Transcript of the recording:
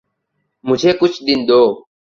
مجھے کچھ دن دو۔